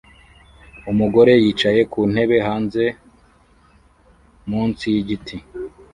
Umugore yicaye ku ntebe hanze munsi yigiti